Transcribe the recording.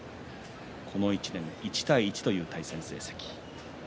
この１年、１対１という対戦成績。